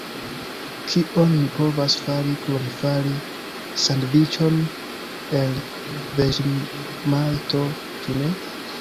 Kion mi povas fari krom fari sandviĉon el veĝemajto, ĉu ne?